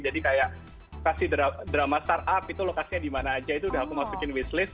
jadi kayak kasih drama start up itu lokasinya dimana aja itu udah aku masukin wish list